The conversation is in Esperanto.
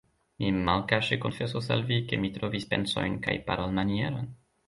Mi malkaŝe konfesos al vi, ke mi trovis pensojn kaj parolmanieron.